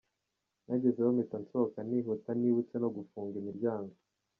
nkagezeho mpita nsohoka nihuta ntibutse no gufunga imiryango.